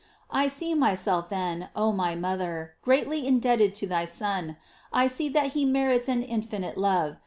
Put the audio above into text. I see myself then, oh my mother, greatly in debted to thy Son. I see that he merits an in finite love.